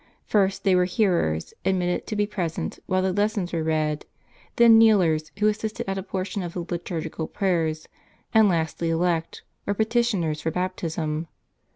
First they Were hearers* admitted to be present, while the lessons were read; then kneelers,\ who assisted at a portion of the liturgical prayers ; and lastly elect, or petitioners t for baptism.